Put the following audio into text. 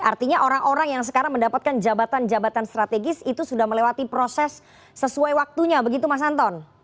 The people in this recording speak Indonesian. artinya orang orang yang sekarang mendapatkan jabatan jabatan strategis itu sudah melewati proses sesuai waktunya begitu mas anton